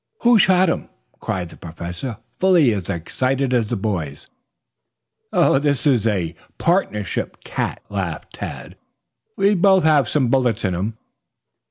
"Who shot him?" cried the Professor, fully as excited as the boys. "This is a partnership cat," laughed Tad. "We both have some bullets in him.